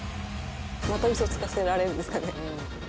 「また嘘つかせられるんですかね？」